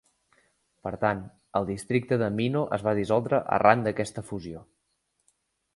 Per tant, el districte de Mino es va dissoldre arran d'aquesta fusió.